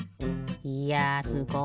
いやすごい！